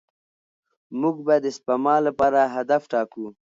موږ به د سپما لپاره هدف ټاکو.